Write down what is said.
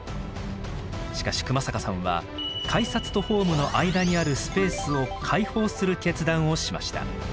しかし熊坂さんは改札とホームの間にあるスペースを開放する決断をしました。